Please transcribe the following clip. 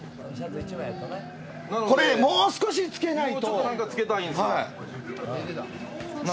これもう少しつけないと。